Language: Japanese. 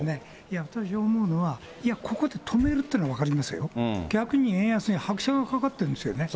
私が思うのは、ここで止めるっていうのは分かりますよ、逆に円安に拍車がかかってるんですよね。